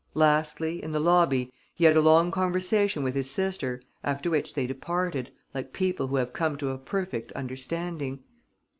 Lastly, in the lobby, he had a long conversation with his sister, after which they parted, like people who have come to a perfect understanding.